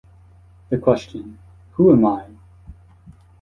The question, Who am I?